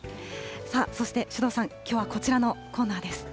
そして首藤さん、きょうはこちらのコーナーです。